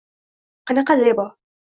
-Qanaqa Zebo?